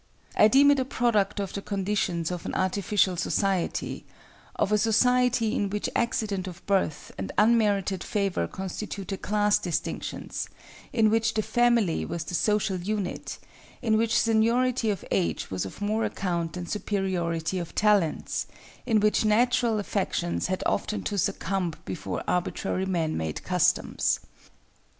I deem it a product of the conditions of an artificial society—of a society in which accident of birth and unmerited favour instituted class distinctions, in which the family was the social unit, in which seniority of age was of more account than superiority of talents, in which natural affections had often to succumb before arbitrary man made customs.